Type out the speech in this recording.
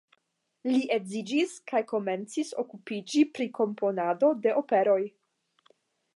Li edziĝis kaj komencis okupiĝi pri komponado de operoj.